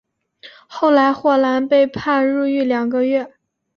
后来霍兰被判入狱两个月。